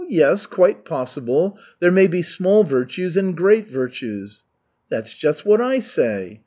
"Yes, quite possible, there may be small virtues and great virtues." "That's just what I say.